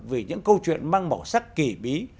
vì những câu chuyện mang màu sắc kỳ bí